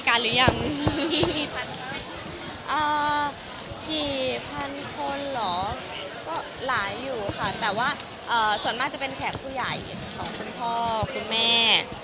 กี่พันคนเหรอก็หลายอยู่ค่ะแต่ว่าส่วนมากจะเป็นแขกผู้ใหญ่ของคุณพ่อคุณแม่